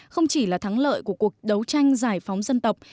không chỉ là thắng lợi của cuộc đấu tranh giải phóng dân tộc